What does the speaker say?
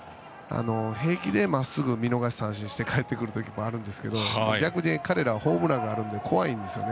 平気でまっすぐ見逃し三振して帰ってくるときもありますが逆に彼らはホームランもあるので怖いんですよね。